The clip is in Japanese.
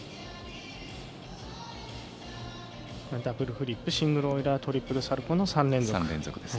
ダブルフリップシングルオイラートリプルサルコーの３連続。